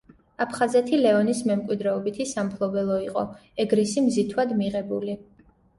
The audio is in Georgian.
აფხაზეთი ლეონის მემკვიდრეობითი სამფლობელო იყო, ეგრისი მზითვად მიღებული.